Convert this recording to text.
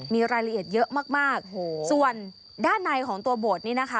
มีรายละเอียดเยอะมากมากส่วนด้านในของตัวโบสถนี้นะคะ